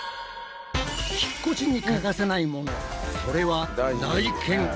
引っ越しに欠かせないものそれは内見！